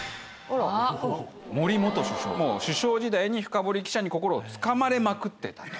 森首相首相時代にフカボリ記者に心をつかまれまくってたと。